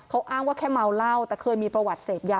เขาอ้างว่าแค่เมาเหล้าแต่เคยมีประวัติเสพยา